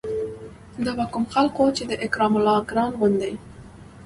دا به کوم خلق وو چې د اکرام الله ګران غوندې